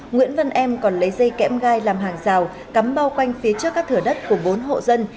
nguyễn văn em còn lấy dây kẽm gai làm hàng rào cắm bao quanh phía trước các thửa đất của bốn hộ dân